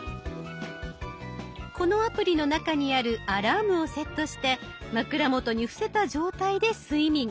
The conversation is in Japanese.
このアプリの中にあるアラームをセットして枕元に伏せた状態で睡眠。